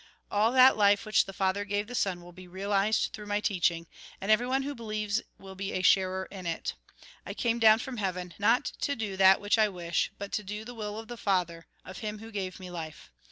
"All that life which the Father gave the Son will be realised through my teaching ; and everyone who believes will be a sharer in it. I came down from heaven, not to do that which I wish, but to do the will of the Father, of Him who gave me life.